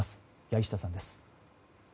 柳下さんです。